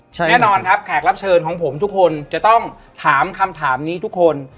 แน่นอนครับแขกรับเชิญของผมทุกคนจะต้องถามคำถามนี้ทุกคน